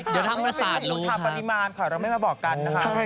เป็นอุโมนทาปรีมารค่ะเราไม่มาบอกกันนะคะ